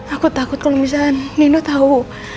aku takut kalo misalnya nino tau